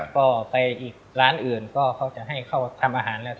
ก็ไปอีกร้านอื่นก็เขาจะให้เขาทำอาหารแล้ว